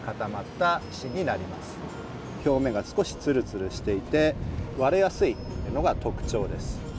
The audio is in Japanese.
表面が少しツルツルしていて割れやすいのが特徴です。